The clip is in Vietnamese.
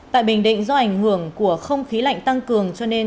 tại bình định do ảnh hưởng của không khí lạnh tăng cường cho nên